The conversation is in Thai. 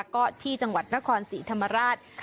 ก็ที่จังหวัดนครศรีธรรมราช